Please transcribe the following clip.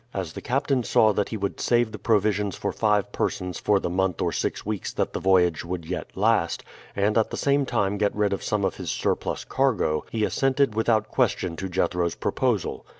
As the captain saw that he would save the provisions for five persons for the month or six weeks that the voyage would yet last, and at the same time get rid of some of his surplus cargo, he assented without question to Jethro's proposal.